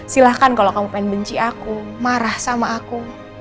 silahkan kalau kamu pengen benci aku marah sama aku